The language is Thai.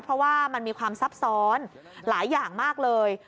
เพราะว่ามันมีความซับซ้อนหลายอย่างมากเลย